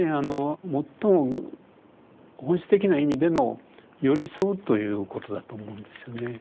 最も本質的な意味での寄り添うということだと思うんですよね。